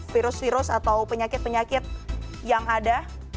virus virus atau penyakit penyakit yang ada